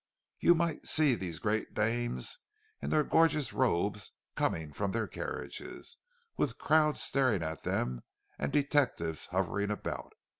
You might see these great dames in their gorgeous robes coming from their carriages, with crowds staring at them and detectives hovering about.